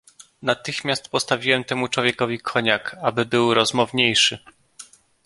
"Natychmiast postawiłem temu człowiekowi koniak, aby był rozmowniejszy."